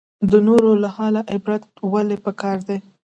د نورو له حاله عبرت ولې پکار دی؟